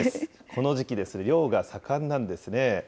この時期、漁が盛んなんですね。